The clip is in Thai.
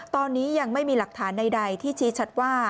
ตอนนี้ยังไม่มีหลักฐานใดที่ชี้ชัดว่า